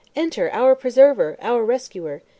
"Enter, our preserver our rescuer!"